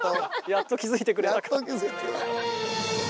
やっと気付いてくれた。